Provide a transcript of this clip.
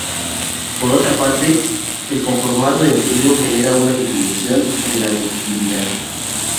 Por otra parte, el conformado en frío genera una disminución de la ductilidad